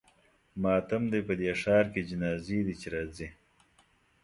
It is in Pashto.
ماتم دی په دې ښار کې جنازې دي چې راځي.